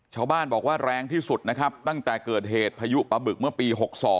ชาวบ้านบอกว่าแรงที่สุดนะครับตั้งแต่เกิดเหตุพายุปะบึกเมื่อปี๖๒